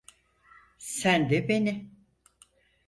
Sen de beni.